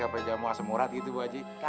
apa jamu asemurat gitu bu aji